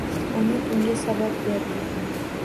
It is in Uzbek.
Umid unga sabot berdi